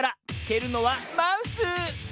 けるのはマウス！